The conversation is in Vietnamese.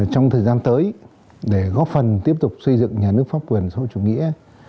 trong thời gian tới để góp phần tiếp tục xây dựng nhà nước phong quyền sâu chủ nghĩa